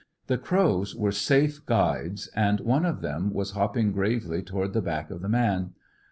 The crows were safe guides, and one of them was hopping gravely towards the back of the man.